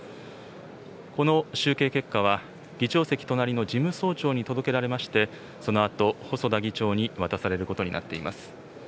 この集計結果は議長席隣の事務総長に届けられまして、そのあと細田議長に渡されることになっています。